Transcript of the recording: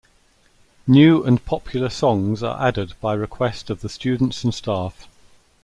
New and popular songs are added by request of the students and staff.